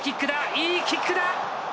いいキックだ！